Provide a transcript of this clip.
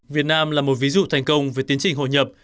việt nam là một ví dụ thành công về tiến trình hội nhập